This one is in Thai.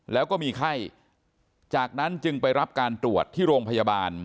แล้วก็มีไข้จากนั้นจึงไปรับการตรวจที่โรงพยาบาล